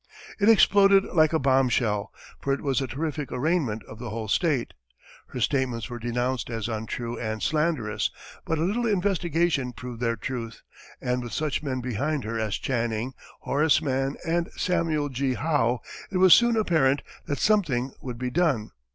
It exploded like a bombshell, for it was a terrific arraignment of the whole state. Her statements were denounced as untrue and slanderous, but a little investigation proved their truth, and with such men behind her as Channing, Horace Mann, and Samuel G. Howe, it was soon apparent that something would be done.